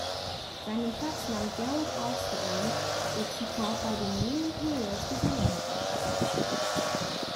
Seinen Platz nahm Gerald Alston ein, der zuvor bei den „New Imperials“ gesungen hatte.